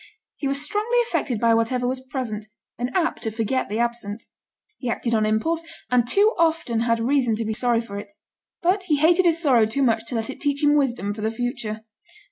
He was strongly affected by whatever was present, and apt to forget the absent. He acted on impulse, and too often had reason to be sorry for it; but he hated his sorrow too much to let it teach him wisdom for the future.